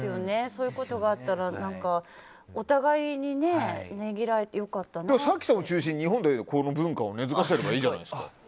そういうことがあったらお互いにねぎらえて早紀さんを中心に日本でこの文化を根付かせればいいじゃないですか。